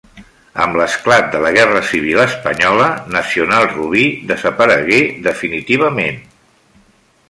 Amb l'esclat de la guerra civil espanyola, Nacional Rubí desaparegué definitivament.